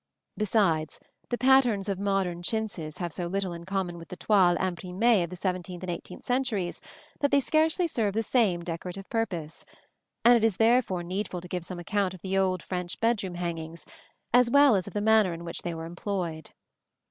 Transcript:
Besides, the patterns of modern chintzes have so little in common with the toiles imprimées of the seventeenth and eighteenth centuries that they scarcely serve the same decorative purpose; and it is therefore needful to give some account of the old French bedroom hangings, as well as of the manner in which they were employed.